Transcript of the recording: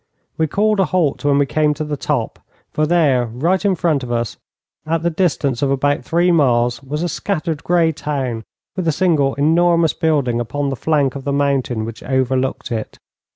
We called a halt when we came to the top; for there, right in front of us, at the distance of about three miles, was a scattered, grey town, with a single enormous building upon the flank of the mountain which overlooked it.